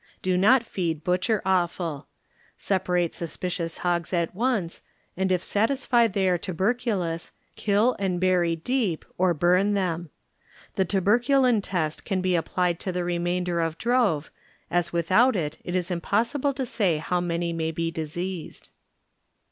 Do not feed butcher oSal; separate suspidous hogs at once, and if satisfied they are tuberculous, kill and bury deep, or burn them. The tuber culin test can be applied to the remainder of drove, as without it it is impossible to say how many may be diseased.